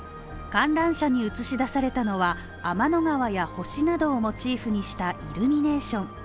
観覧車に映し出されたのは天の川や星などをモチーフにしたイルミネーション。